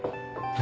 何？